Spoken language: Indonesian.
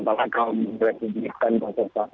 polarisasi sedalam apa sih